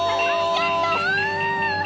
やった！